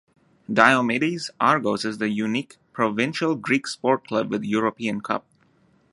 Diomidis Argos is the unique provincial Greek sport club with European cup.